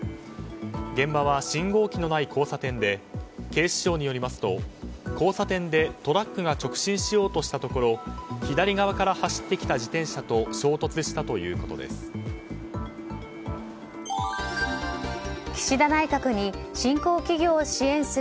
現場は信号機のない交差点で警視庁によりますと交差点で、トラックが直進しようとしたところ左側から走ってきた自転車と衝突したということです。